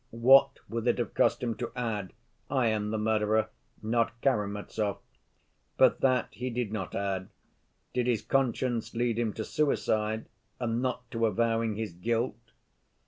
What would it have cost him to add: 'I am the murderer, not Karamazov'? But that he did not add. Did his conscience lead him to suicide and not to avowing his guilt?